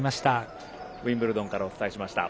ウィンブルドンからお伝えしました。